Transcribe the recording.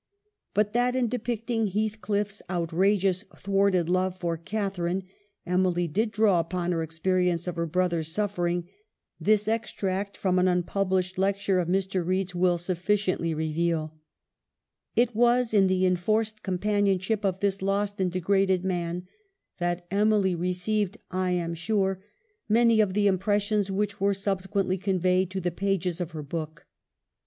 But that, in depicting Heathcliff's outrageous thwarted love for Catharine, Emily did draw upon her experience of her brother's suffering, this extract from an unpublished lecture of Mr. Reid's will sufficiently reveal :*" It was in the enforced companionship of this lost and degraded man that Emily received, I am sure, many of the impressions which were subse quently conveyed to the pages of her book.